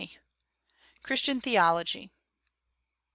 CHRISTIAN THEOLOGY.